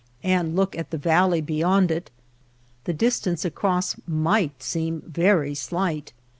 and look at the valley beyond it, the distance across might seem very slight.